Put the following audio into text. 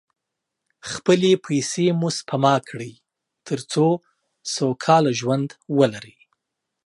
خپلې پیسې مو سپما کړئ، تر څو سوکاله ژوند ولرئ.